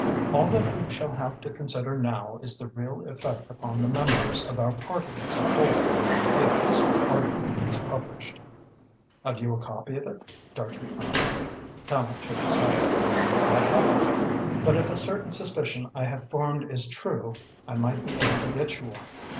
All that we shall have to consider now is the real effect upon the members of our party as a whole, if this article is published." "Have you a copy of it?" Dartrey asked. Tallente shook his head. "I haven't, but if a certain suspicion I have formed is true, I might be able to get you one.